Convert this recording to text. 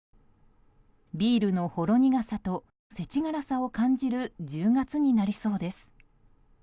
ビールのほろ苦さと世知辛さを感じる１０月になりそうです。